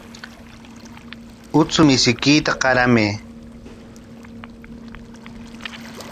Uchuk mishiykita qaramay.